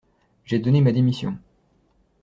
J’ai donné ma démission.